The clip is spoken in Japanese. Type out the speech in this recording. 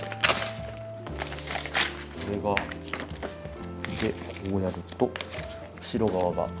これがこうやると後ろ側が。